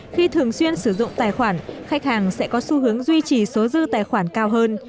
khi thường xuyên sử dụng tài khoản khách hàng sẽ có xu hướng duy trì số dư tài khoản cao hơn